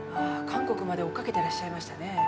あ韓国まで追っかけてらっしゃいましたね。